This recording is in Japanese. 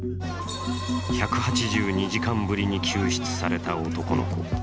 １８２時間ぶりに救出された男の子。